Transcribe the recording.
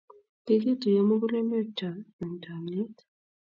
Kikituiyo mugulelwek cho eng chamyet